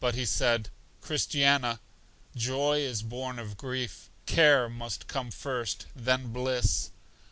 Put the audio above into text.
But he said, Christiana, joy is born of grief: care must come first, then bliss.